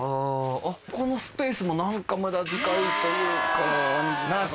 このスペースも何か無駄遣いというか。